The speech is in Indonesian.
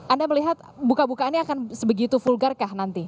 anda melihat buka bukaannya akan sebegitu vulgarkah nanti